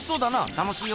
楽しいよ。